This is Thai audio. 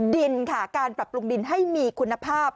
ดินค่ะการปรับปรุงดินให้มีคุณภาพ